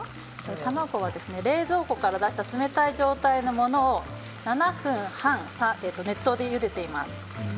卵は冷蔵庫から出した冷たい状態のものを７分半、熱湯でゆでています。